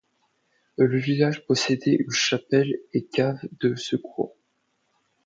Le village possédait une chapelle et cave de secours.